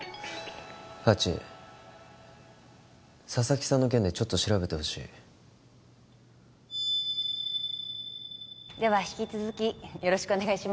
ハチ佐々木さんの件でちょっと調べてほしいでは引き続きよろしくお願いします